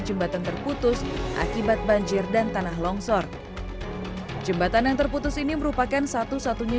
jembatan terputus akibat banjir dan tanah longsor jembatan yang terputus ini merupakan satu satunya